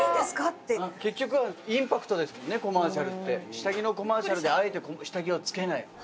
下着のコマーシャルであえて下着を着けない。